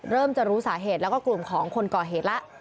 จะรู้สาเหตุแล้วก็กลุ่มของคนก่อเหตุแล้ว